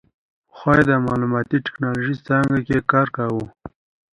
پخوا یې د معلوماتي ټیکنالوژۍ څانګه کې کار کاوه.